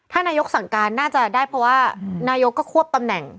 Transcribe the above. ถ้านายกสั่งการน่าจะได้เพราะว่านายกก็ควบตำแหน่ง